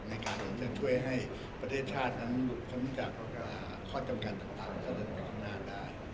ในการเป็นเธอช่วยให้ประเทศชาตินั้นสามารถเห็นจากข้อจำกับต่างเพื่อถึงกับจำกัดของเราได้